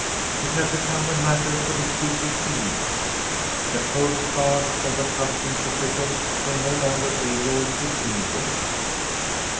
It had become a matter for the secret police; the coastguard or customs officials were no longer able to deal with it.